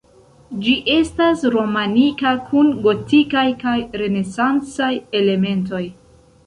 Ĝi estas romanika kun gotikaj kaj renesancaj elementoj.